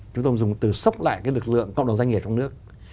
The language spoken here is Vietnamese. chúng tôi dùng từ sốc lại cái lực lượng cộng đồng doanh nghiệp trong nước